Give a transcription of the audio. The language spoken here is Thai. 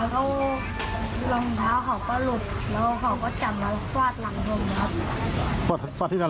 พาดที่หน้าหลังเลยหรอครับข๗๓กี่ครั้ง